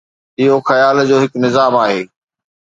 اهو خيال جو هڪ نظام آهي.